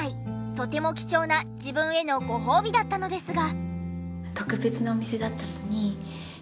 とても貴重な自分へのご褒美だったのですが。